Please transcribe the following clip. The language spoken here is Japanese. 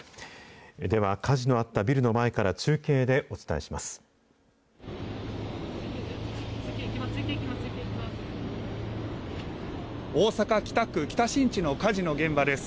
では、火事のあったビルの前から中継でお伝えします。